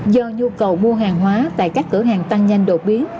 do nhu cầu mua hàng hóa tại các cửa hàng tăng nhanh đột biến